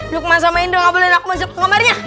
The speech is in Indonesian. lukman sama indra gak boleh masuk ke kamarnya